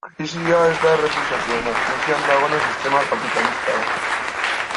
Krisia ez da errefuxiatuena, krisian dagoena sistema kapitalista da.